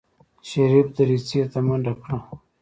شريف دريڅې ته منډه کړه.